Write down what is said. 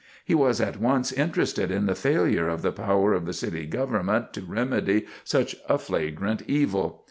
He was at once interested in the failure of the power of the City Government to remedy such a flagrant evil.